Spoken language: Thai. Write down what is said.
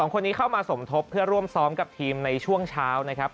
คนนี้เข้ามาสมทบเพื่อร่วมซ้อมกับทีมในช่วงเช้านะครับ